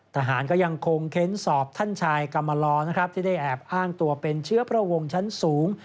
ทหารก็ยังคงเค้นสอบท่านชายกรรมลอนะครับที่ได้แอบอ้างตัวเป็นเชื้อพระวงชั้นสูง